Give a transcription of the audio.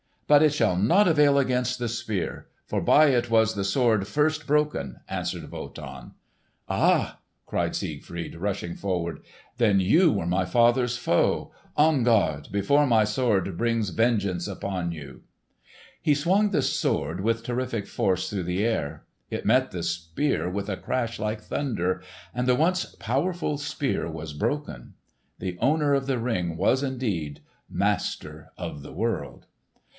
"But it shall not avail against the Spear, for by it was the Sword first broken," answered Wotan. "Ah!" cried Siegfried, rushing forward. "Then you were my father's foe! On guard, before my Sword brings vengeance upon you!" He swung the Sword with terrific force through the air. It met the Spear with a crash like thunder, and the once powerful Spear was broken. The owner of the Ring was indeed master of the world!